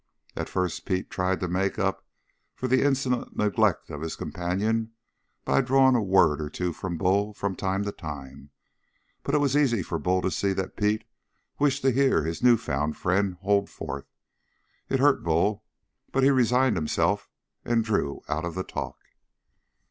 At first Pete tried to make up for the insolent neglect of his companion by drawing a word or two from Bull from time to time, but it was easy for Bull to see that Pete wished to hear his newfound friend hold forth. It hurt Bull, but he resigned himself and drew out of the talk.